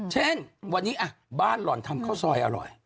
เช่นวันนี้บ้านหล่อนทำข้าวซอยอร่อย